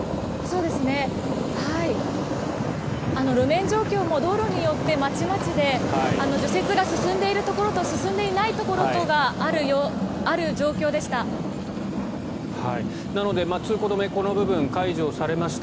路面状況も道路によってまちまちで除雪が進んでいるところと進んでいないところがある状況でした。